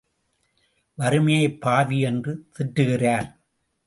வறுமையைப் பாவி என்று திட்டுகிறார்.